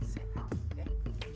tunggu dulu tuan